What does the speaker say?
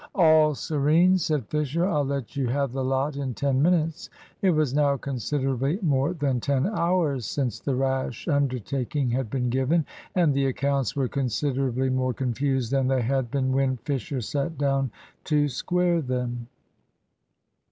"All serene," said Fisher; "I'll let you have the lot in ten minutes." It was now considerably more than ten hours since the rash undertaking had been given, and the accounts were considerably more confused than they had been when Fisher sat down to square them.